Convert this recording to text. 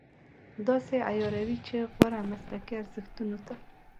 داسې عیاروي چې غوره مسلکي ارزښتونو ته.